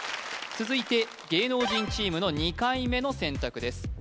続いて芸能人チームの２回目の選択です